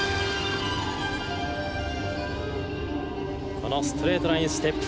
このストレートなインステップ。